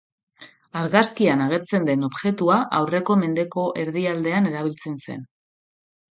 Argazkian agertzen den objektua aurreko mendeko erdialdean erabiltzen zen.